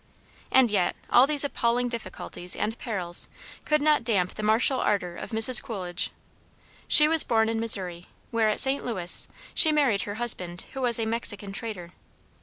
And yet all these appalling difficulties and perils could not damp the martial ardor of Mrs. Coolidge. She was born in Missouri, where, at St. Louis, she married her husband, who was a Mexican trader.